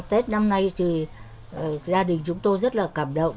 tết năm nay thì gia đình chúng tôi rất là cảm động